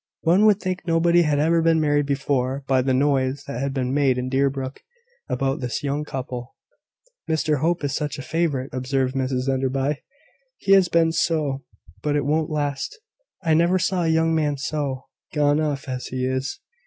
One would think nobody had ever been married before, by the noise that had been made in Deerbrook about this young couple. "Mr Hope is such a favourite!" observed Mrs Enderby. "He has been so; but it won't last. I never saw a young man so gone off as he is.